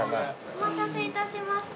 お待たせ致しました。